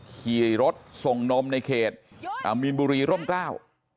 ขี่รถส่งนมในเขตมีนบุรีร่มกล้า